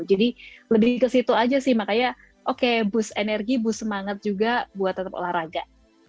jadi lebih ke situ aja sih makanya oke boost energi boost semangat juga buat tetap olahraga